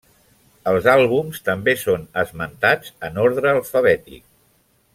Els àlbums també són esmentats en ordre alfabètic.